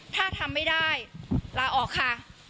ถ้าทำไม่ได้ลาออกค่ะ